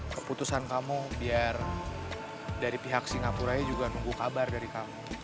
keputusan kamu biar dari pihak singapura juga nunggu kabar dari kamu